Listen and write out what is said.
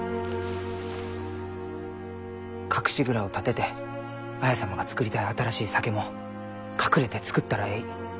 隠し蔵を建てて綾様が造りたい新しい酒も隠れて造ったらえい。